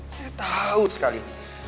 saya tahu sekali